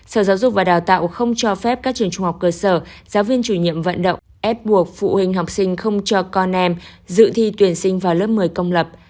sở giáo dục và đào tạo không cho phép các trường trung học cơ sở giáo viên chủ nhiệm vận động ép buộc phụ huynh học sinh không cho con em dự thi tuyển sinh vào lớp một mươi công lập